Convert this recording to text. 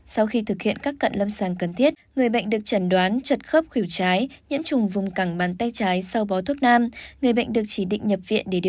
sau khi thực hiện các cận lâm sàng cần thiết người bệnh được trần đoán trật khớp khỉu trái nhiễm trùng vùng cẳng bàn tay trái sau bó thuốc nam